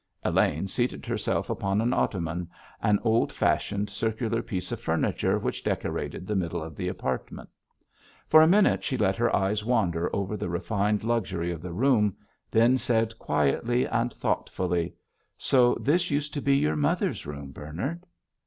Elaine seated herself upon an ottoman, an old fashioned circular piece of furniture which decorated the middle of the apartment. For a minute she let her eyes wander over the refined luxury of the room, then said quietly and thoughtfully: "So this used to be your mother's room, Bernard?"